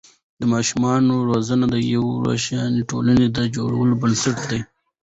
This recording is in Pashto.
د ماشومانو روزنه د یوې روښانه ټولنې د جوړولو بنسټ دی.